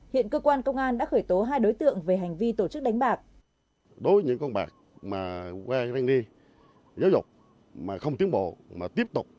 hiện cơ quan công an đã khởi tố hai đối tượng về hành vi tổ chức đánh bạc